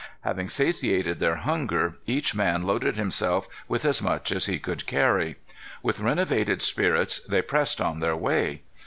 Having satiated their hunger, each man loaded himself with as much as he could carry. With renovated spirits, they pressed on their way.